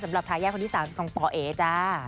สำหรับทายาทคนที่สามของปเอ๋จ้า